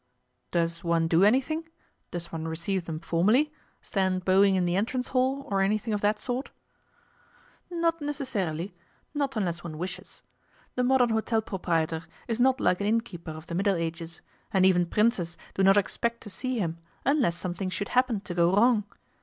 'Does one do anything? Does one receive them formally stand bowing in the entrance hall, or anything of that sort?' 'Not necessarily. Not unless one wishes. The modern hotel proprietor is not like an innkeeper of the Middle Ages, and even princes do not expect to see him unless something should happen to go wrong.